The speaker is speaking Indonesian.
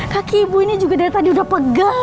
kaki ibu ini juga dari tadi udah pegel